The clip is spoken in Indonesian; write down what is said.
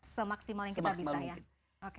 semaksimal yang kita bisa ya oke